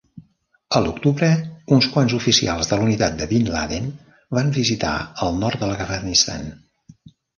A l'octubre, uns quants oficials de la unitat de Bin Laden van visitar el nord de l'Afganistan.